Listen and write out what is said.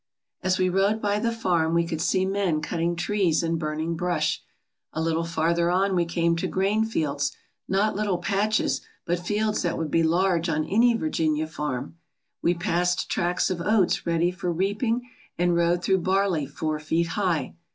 As we rode by the farm we could see men cutting trees and burning brush. A little farther on we came to grain fields, not little patches, but fields that would be large on any Virginia farm. We passed tracts of oats ready for reaping and rode through barley four feet high.